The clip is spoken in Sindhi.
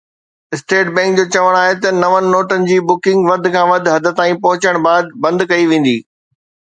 اسٽيٽ بئنڪ جو چوڻ آهي ته نون نوٽن جي بکنگ وڌ کان وڌ حد تائين پهچڻ بعد بند ڪئي ويندي